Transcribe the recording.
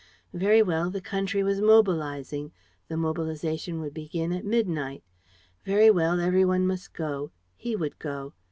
Very well, the country was mobilizing: the mobilization would begin at midnight. ... Very well, every one must go; he would go.